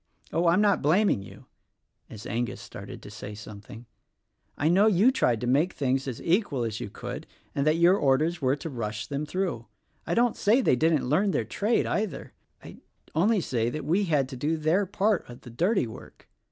Oh, I'm not blaming you" (as Angus started to say something); "I know you tried to make things as equal as you could, and that your orders were to rush them through. I don't say they didn't learn their trade, either. I only say we had to do their part of the dirty work.